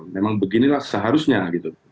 memang beginilah seharusnya gitu